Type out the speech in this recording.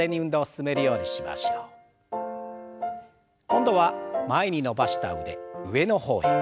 今度は前に伸ばした腕上の方へ。